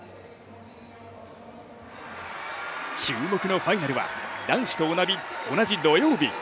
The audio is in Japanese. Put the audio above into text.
注目のファイナルは男子と同じ土曜日。